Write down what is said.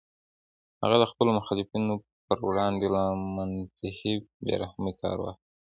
هغه د خپلو مخالفینو پر وړاندې له منتهی بې رحمۍ کار واخیست.